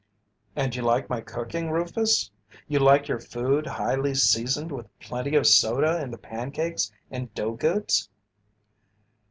"And you like my cooking, Rufus? You like your food highly seasoned with plenty of soda in the pancakes and dough goods?"